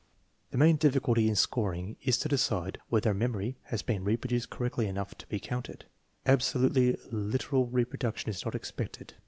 The main difficulty in scoring is to decide whether a memory has been reproduced correctly enough to be counted. Absolutely literal reproduction is not expected.